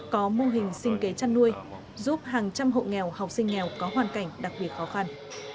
có mô hình sinh kế chăn nuôi giúp hàng trăm hộ nghèo học sinh nghèo có hoàn cảnh đặc biệt khó khăn